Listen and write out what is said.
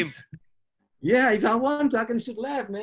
saya bisa berangkat ke kiri man